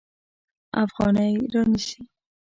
افغانۍ رانیسي.